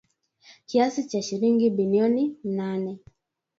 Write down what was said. Kiasi cha shilingi bilioni mnane